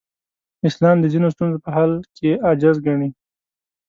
اسلام د ځینو ستونزو په حل کې عاجز ګڼي.